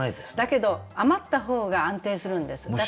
だけど余った方が安定するんです。